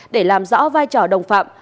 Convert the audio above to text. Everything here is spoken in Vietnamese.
để làm rõ vai trò đồng phạm